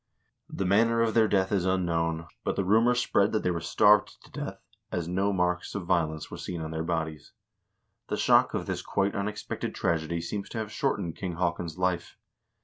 The manner of their death is unknown, but THE CHANGE OF NORWAY'S FOREIGN POLICY 491 the rumor spread that they were starved to death, as no marks of violence were seen on their bodies. The shock of this quite unex pected tragedy seems to have shortened King Haakon's life.